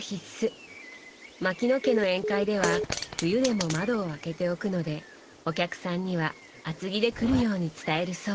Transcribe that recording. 牧野家の宴会では冬でも窓を開けておくのでお客さんには厚着で来るように伝えるそう。